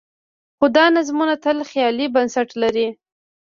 خو دا نظمونه تل خیالي بنسټ لري.